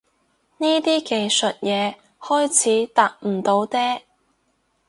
呢啲技術嘢開始搭唔到嗲